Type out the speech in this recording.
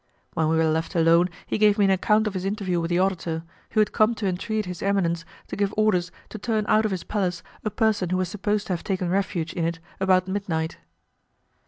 When we were left alone he gave me an account of his interview with the auditor, who had come to entreat his eminence to give orders to turn out of his palace a person who was supposed to have taken refuge in it about midnight.